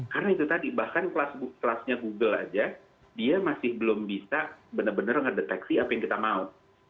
karena itu tadi bahkan kelasnya google aja dia masih belum bisa benar benar ngedeteksi apa yang kita mau